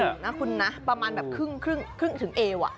นะคุณนะประมาณแบบครึ่งถึงเอว